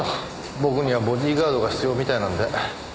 僕にはボディーガードが必要みたいなんで。